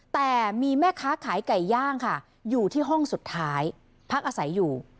แต่มีแม่ค้าขายไก่ย่างค่ะอยู่ที่ห้องสุดท้ายพักอาศัยอยู่